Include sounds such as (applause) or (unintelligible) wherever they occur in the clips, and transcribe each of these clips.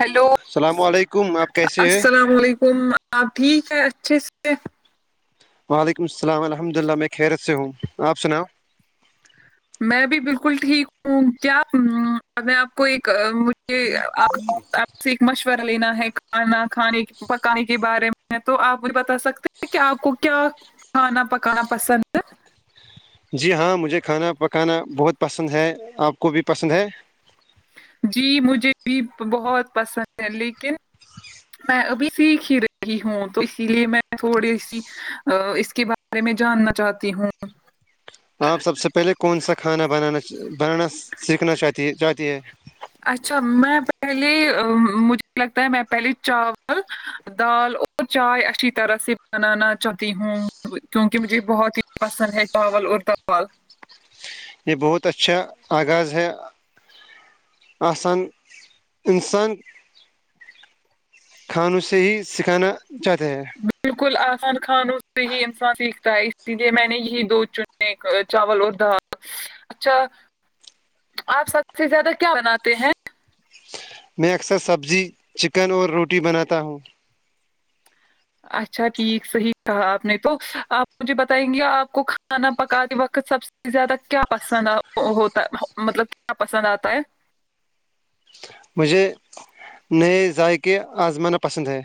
hello السلام علیکم آپ کیسے ہیں السلام علیکم آپ ٹھیک ہے اچھے سے (inaudible) میں بھی بالکل ٹھیک ہوں کیا میں آپ کو ایک مجھے آپ سے ایک مشورہ لینا ہے کھانا کھانے پکانے کے بارے میں تو آپ مجھے بتا سکتے ہیں کہ آپ کو کیا کھانا پکانا پسند ہے جی ہاں مجھے کھانا پکانا بہت پسند ہے آپ کو بھی پسند ہے جی مجھے بھی بہت پسند ہے لیکن میں ابھی سیکھ ہی رہی ہوں تو اسی لیے میں تھوڑی سی اس کے بعد بارے میں جاننا چاہتی ہوں آپ سب سے پہلے کون سا کھانا بنانا بنانا سیکھنا چاہتی ہے چاہتی ہے اچھا میں پہلے مجھے لگتا ہے میں پہلے چاول دال اور چائے اچھی طرح سے بنانا چاہتی ہوں کیونکہ مجھے بہت ہی پسند ہے چاول اور داول یہ بہت اچھا آغاز ہے آان انسان کھانوں سے ہی سکھانا چاہتے ہیں بالکل آسان کھانوں سے ہی انسان سیکھتا ہے اسی لیے میں نے یہی دو چ چاول وہ تھا اچھا آپ سب سے زیادہ کیا بناتے ہیں میں اکثر سبزی چکن اور روٹی بناتا ہوں اچھا ٹھیک صحیح کہا آپ نے تو آپ مجھے بتائیں گے آپ کو کھانا پکاتے وقت سب سے زیادہ کیا پسند ہوتا مطلب کیا پسند آتا ہے مجھے نئے ذائقے آزمانا پسند ہے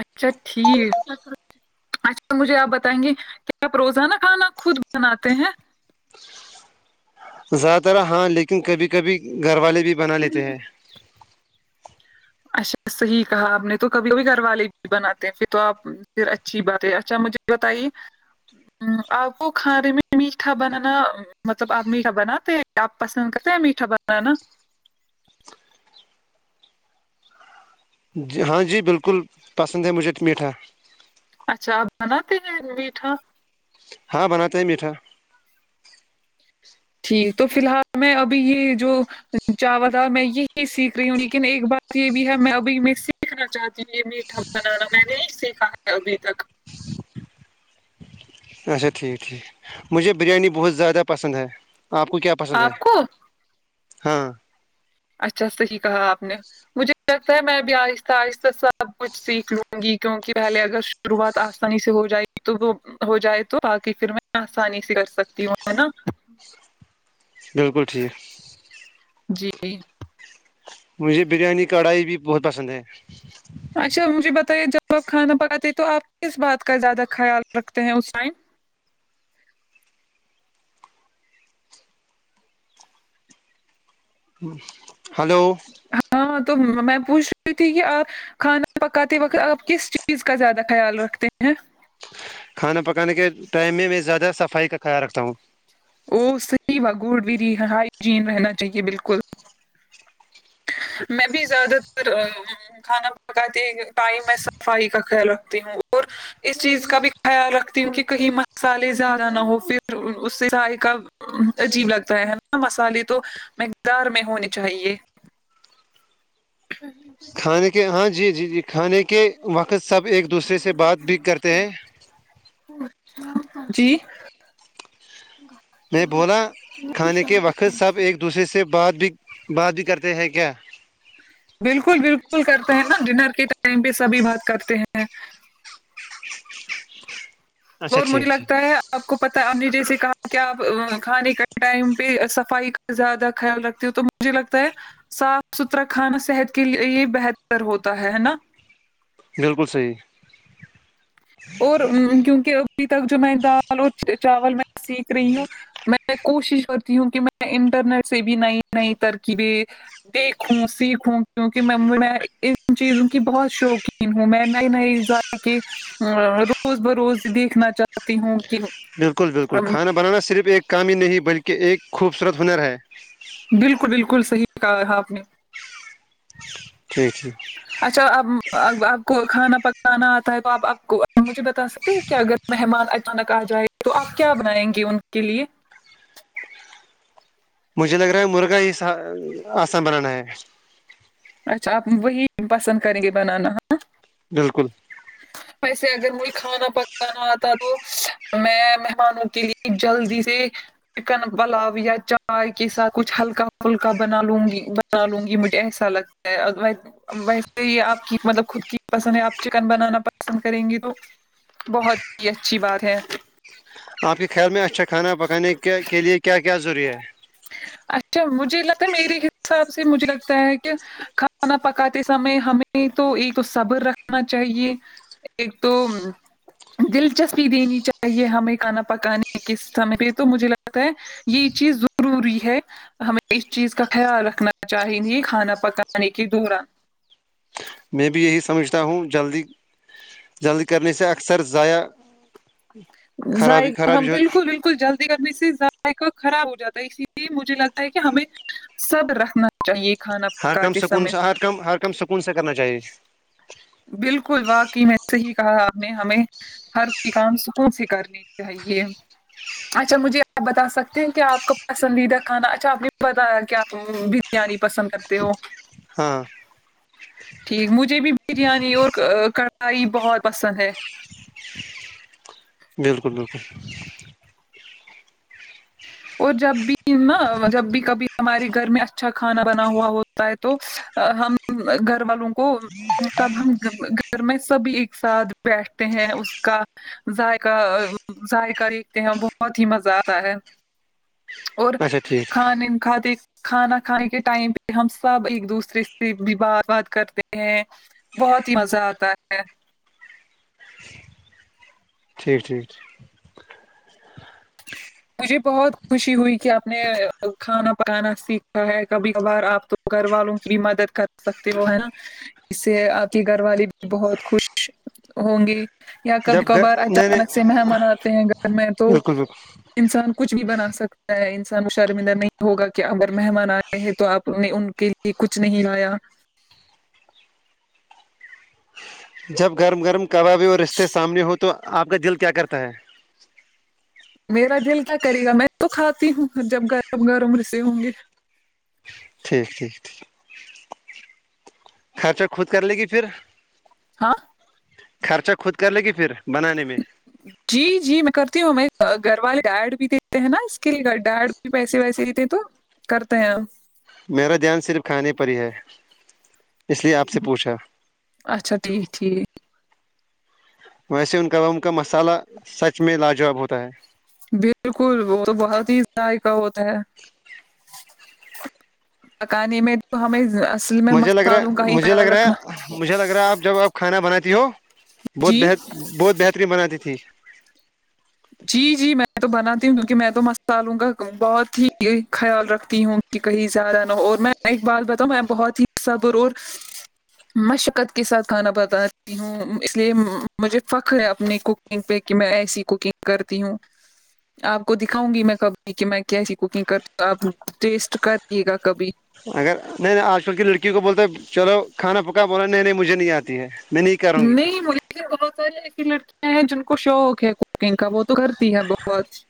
اچھا ٹھیک اچھا تو مجھے آپ بتائیں گے کیا آپ روزانہ کھانا خود بناتے ہیں زیادہ تر ہاں لیکن کبھی کبھی گھر والے بھی بنا لیتے ہیں اچھا صحیح کہا آپ نے تو کبھی کبھی گھر والے بھی بناتے ہیں پھر تو آپ پھر اچھی بات ہے اچھا مجھے بتائیے آپ کو کھانے میں میٹھا بنانا مطلب آپ میٹھا بناتے ہیں آپ پسند کرتے ہیں میٹھا بنان نا ہاں جی بالکل پسند ہے مجھے میٹھا اچھا آپ بناتے ہیں میٹھا ہاں بناتے ہیں میٹھا ٹھیک تو فی الحال میں ابھی یہ جو چاوا تھا میں یہی سیکھ رہی ہوں لیکن ایک بات یہ بھی ہے میں ابھی میں سیکھنا چاہتی ہوں یہ میٹھا بنانا میں نے یہ سیکھا ہے ابھی تک اچھا ٹھیک ٹھیک مجھے بریانی بہت زیادہ پسند ہے آپ کو کیا پسند ہے آپ کو ہاں اچھا صحیح کہا آپ نے مجھے لگتا ہے میں ابھی آہستہ آہستہ سب کچھ سیکھ لوں گی کیوںک پہلے اگر شروعات آسانی سے ہو جائے گی تو وہ ہو جائے تو آگ پھر میں آسانی سے کر سکتی ہوں ہے نا بالکل ٹھیک جی مجھے بریانی کڑھائی بھی بہت پسند ہے اچھا مجھے بتائیے جب آپ کھانا پکاتے تو آپ کس بات کا زیادہ خیال رکھتے ہیں اس ٹائم ہلو ہاں تو میں پوچھ رہی تھی کہ آ کھانا پکاتے وقت آپ کس چیز کا زیادہ خیال رکھتے ہیں کھانا پکانے کے ٹائم میں میں زیادہ صفائی کا خیال رکھتا ہوں وہ صحی وا گڑ بھی ہائجین رہنا چاہیے بالکل میں بھی زیادہ تر کھانا پکاتے ٹائم میں صفائی کا خیال رکھتی ہوں اور اس چیز کا بھی خیال رکھتی ہوں کہ کہیں مسالے زیادہ نہ ہو پھر اس سے چائے کا عجیب لگتا ہے نا مسالے تو مقدار میں ہونے چاہیے ہ کھانے کے ہاں جی جی جی کھانے کے وقت سب ایک دوسرے سے بات بھی کرتے ہیں جی میں بولا کھانے کے وقت سب ایک دوسرے سے بات بھی بات بھی کرتے ہیں کیا بالکل بالکل کرتے ہیں نا ڈنر کے ٹائم پہ سبھی بات کرتے ہیں اچھا اور مجھے ٹھیک ٹھیک لگتا ہے آپ کو پتہ آپ نے جیسے کہا کیا آپ کھانے کا ٹائم پہ صفائی زیادہ خیال رکھتی ہوں تو مجھے لگتا ہے صاف ستھرا کھانا صحت کے لیے بہتر ہوتا ہے ہے نا بالکل صحیح اور کیونکہ ابھی تک جو میں دال اور چاول میں سیکھ رہی ہوں میں کوشش کرتی ہوں کہ میں انٹرنیٹ سے بھی نئی نئی ترکیبیں دیکھوں سیکھوں کیونکہ میں میں ان چیزوں کی بہت شوقی ہوں میں نئی نئے ا کے روز ب روز دیکھنا چاہ تی ہوں کہ بالکل بالکل کھانا بنانا صرف ایک کام ہی نہیں بلکہ ایک خوبصورت ہنر ہے بالکل بالکل صحیح کہا آپ نے ٹھیک ٹھیک اچھا اب آپ کو کھانا پکانا آتا ہے تو آپ آپ کو مجھے بتا سکتے ہیں کیا اگر مہمان اچانک آ جائے تو آپ کیا بنائیں گے ان کے لیے مجھے لگ رہا ہے مرغا ہی آسان بنانا ہے اچھا آپ وہی پسند کریں گے بنانا ہاں بالکل (unintelligible) ویسے اگر مجھے کھانا پکانا آتا تو میں مہمانوں کے لیے جلدی سے چکن پلاؤ یا چائے کے ساتھ کچھ ہلکا پھلکا بنا لوں گی بنا لوں گی مجھے ایسا لگتا اگو ویسے ہی آپ کی مطلب خود کی پسند ہے آپ چکن بنانا پسند کریں گی تو بہت ہی اچھی بات ہے آپ کے خیال میں اچھا کھانا پکانے کے کے لیے کیا کیا ضروری ہے (unintelligible) اچھا مجھے لگتا ہے میرے حساب سے مجھے لگتا ہے کہ کھانا پکاتے سمے ہمیں تو ایک تو صبر رکھنا چاہیے ایک تو دلچسپی دینی چاہیے ہمیں کھانا پکانے کےس سمے پہ تو مجھے لگتا ہے یہ چیز ضروری ہے ہمیں اس چیز کا خیال رکھنا چاہیے کھانا پکانے کے دوران میں بھی یہی سمجھتا ہوں جلدی جلدی کرنے سے اکثر ضائع خرابی ائق ہاں خرابی جو بالکل بھی بالکل جلدی کرنے سے ذائقہ خراب ہو جاتا ہے اسی لیے مجھے لگتا ہے کہ ہمیں سب رکھنا چاہیے کھانا ہر کم پکاتے سکون سمے سے ہر کم ہر کم سکون سے کرنا چاہیے بالکل واقی میں سےے ہی کہا آپ نے ہمیں ہر کوئی کام سکون سے کرنی چاہیے اچھا مجھے آپ بتا سکتے ہیں کیا آپ کا پسندیدہ کھانا اچھا آپ نے بتایا کیا پیاری پسند کرتے ہو ہاں ٹھیک مجھے بھی بریانی اور کڑھائی بہت پسند ہے بالکل بالکل اور جب بھی نہا جب بھی کبھی ہمارے گھر میں اچھا کھانا بنا ہوا ہو ہے تو ہم گھر والوں کو تب ہم گھر میں سبھی ایک ساتھ بیٹھتے ہیں اس کا ذائقہ ذائقہ دیکھتے ہیں بہت ہی مزہ آتا ہے اور اچھا ٹھیک کھان کھاتاتے کھانا کھانے کے ٹائم پہ ہم سب ایک دوسرے سے بھی بات بات کرتے ہیں بہت ہی مزہ آتا ہے ٹھیک ٹھیک مجھے بہت خوشی ہوئی کہ آپ نے کھانا پکانا سیکھا ہے کبھی کبھار آپ تو گھر والوں کی بھی مدد کر سکتے ہو ہے نا اس سے آپ کی گھر والی بھی بہت خوش ہوں گی یا کبھی جب کبھار نہیں نہیں اچانک سے مہمان آتے ہیں گھر میں تو بالکل بالکل انسان کچھ بھی بنا سکتا ہے انسان مشارمندہ نہیں ہوگا کہ اگر مہمان آئے تو آپ نے ان کے لیے کچھ نہیں آ لایا جب گرم گرم کبابی اور رشتے سامنے ہوں تو آپ کا دل کیا کرتا ہے میرا دل کیا کرے گا میں تو کھاتی ہوں جب گرم گرم رسے ہوں گے ٹھیک ٹھیک ٹھیک خرچہ خود کر لے گی پھر ہاں خرچہ خود کر لے گی پھر بنانے میں (unintelligible) جی جی میں کرتی ہوں ہم گھر والے ڈائڑ بھی دیتے ہیں نا اس کے لیے گ ڈڑ بھی پیسے ویسے دیتے تو کرتے ہیں ہم میرا جان صرف کھانے پر ہی ہے اس لیے آپ سے پوچھا اچھا ٹھیک ٹھیک ویسے ان کام کا مساللہ سچ میں لا جواب ہوتا ہے بالکل وہ تو بہت ہی ذائقہ ہوتا ہے پکانے میں تو ہمیں اصل میں مجھے لگ مصالحوں رہا کا ہی مجھے لگ خیال رہا رکھنا ہے مجھے لگ رہا ہے آپ جب آپ کھانا بناتی ہو بہت ب جی، بہت بہترین بناتی تھی جی جی میں تو بناتی ہوں کیونکہ میں تو مصالحوں کا بہت ہی خیال رکھتی ہوں کہ کہیں زیادہ نہ ہو اور میں ایک بات بتاؤں میں بہت ہیصبر اور میں شقت کے ساتھ کھانا بتاتی ہوں اس لیے مجھے فخر ہے اپنے کوک کنگ پہ کہ میں ایسی کوکنگ کرتی ہوں آپ کو دکھاؤں گی میں کبھی کہ میں کیسی کوکنگ کر آپ ٹیسٹ کریے گا کبھی اگر نہیں نہیں آج کل کی لڑکیوں کو بولتا ہے چلو کھانا پکا بولا نہیں نہیں مجھے نہیں آتی ہے میں نہیں کروں گی نہیں مجھے بہت ساری ایسی لڑکیاں ہیں جن کو شوق ہے کوکنگ کا وہ تو کرتی ہے بہت جچ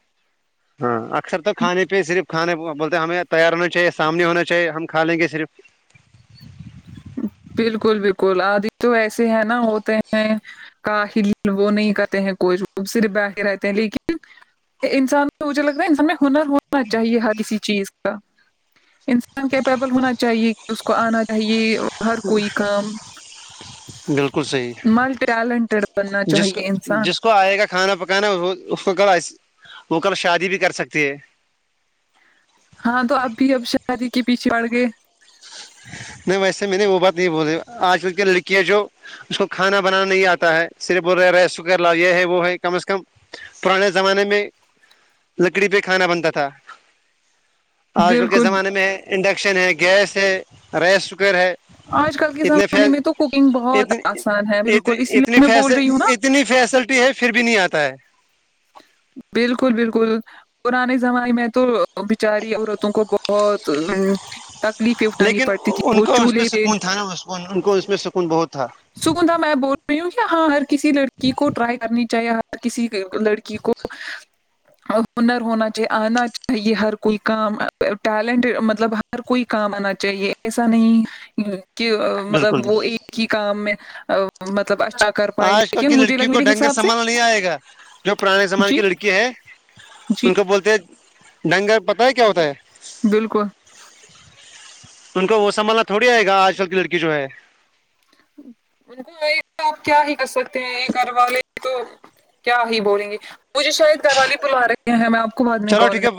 ہاں اکثر تو کھانے پہ صرف کھانے بولتے ہمیں تیار ہونا چاہیے سامنے ہونا چاہیے ہم کھا لیں گے صرف بالکل بالکل آدھی تو ایسے ہے نا ہوتے ہیں کا ہل وہ نہیں کرتے ہیں کوچ وہ صرف بیٹھے رہتے ہیں لیکن انسان مجھے لگتا ہے انسان میں ہنر ہونا چاہیے ہر کسی چیز انسان کیپیبل ہونا چاہیے کہ اس کو آنا چاہیے ہر کوئی کام بالکل صحیح ملٹی ٹیلنٹیڈ بننا چاہیے انسان اس کو آئے گا کھانا پکانا اس کو ک وہ کل شادی بھی کر سکتی ہے ہاں تو اب بھی اب شادی کے پیچھے پڑ گئے نہیں ویسے میں نے وہ بات نہیں بول آج کل کی لڑکیاں جو اس کو کھانا بنانا نہیں آتا ہے صرف بول رہ لا یہ ہے وہ ہے کم از کم پرانے زمانے میں لکڑی پہ کھانا بنتا تھا آج کل کے بالکل زمانے میں انڈکشن ہے گیس ہے رائس کوکر ہے آج کل کے اتنے زمانے فیض میں تو کوکنگ بہت اتنی آسان ہے اتنی بالکل اس لیے اتنی میں بول فیضے رہی ہوں نا اتنی اتنی فیسلٹی ہے پھر بھی نہیں آتا ہے بالکل بالکل پرانے زمانے میں تو بچاری عورتوں کو بہت تکلیفیں اٹھانی لیکن پڑتی تھی ان وہ کا اس میں چولہے پہ سکون تھا نا مسکون ان کو اس میں سکون بہت تھا سگندھا میں بول رہی ہوں کہ ہاں ہر کسی لڑکی کو ٹرائی کرنی چاہیے ہر کسی لڑکی کو ہنر ہونا چاہیے آنا چاہیے ہر کوئی کام ٹیلنٹ مطلب ہر ہر کوئی کام آنا چاہیے ایسا نہیں کہ مطلب بالکل وہ بھی ایک ہی کام میں مطلب اچھا کر پائے ل آج کل کی مجھے لگ لڑکیوں کو میرے ڈھنگ کر حساب سے سنبھالنا نہیں آئے گا جو پرانے زمانے جی کی لڑکی ہے جی ان کو بولتے ہیں ڈنگر پتہ ہے کیا ہوتا ہے بالکل ان کو وہ سنھالنا تھوڑی آئے گا آج کل کی لڑکی جو ہے ان کو آپ کیا ہی کر سکتے ہیں یہ گھر والے تو کیا آ ہی بولیں گی مجھے شاید درالی بلا رہے ہیں میں آ چلو ٹھیک ہے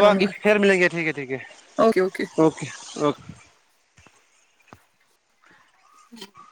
پھر ملیں گے ٹھیک ہے ٹھیک ہے اوکے اوکے ہوں